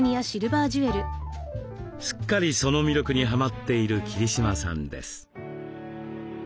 すっかりその魅力にはまっている桐島さんです。